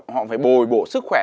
họ phải bồi bổ sức khỏe